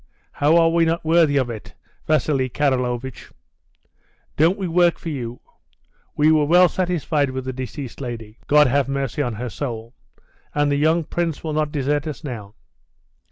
"How are we not worthy of it, Vasili Karlovitch? Don't we work for you? We were well satisfied with the deceased lady God have mercy on her soul and the young Prince will not desert us now.